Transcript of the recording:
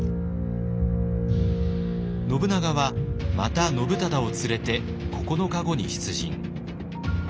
信長はまた信忠を連れて９日後に出陣。